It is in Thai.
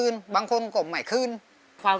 สวัสดีครับ